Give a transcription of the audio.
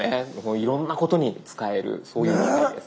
いろんなことに使えるそういう機械です。